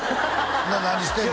ほな何してんの？